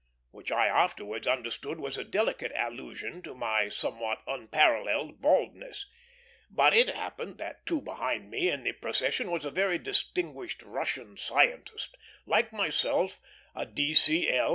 which I afterwards understood was a delicate allusion to my somewhat unparalleled baldness; but it happened that two behind me in the procession was a very distinguished Russian scientist, like myself a D.C.L.